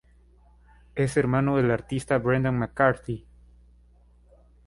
Es hermano del artista Brendan McCarthy.